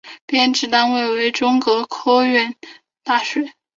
编制单位中国科学院大学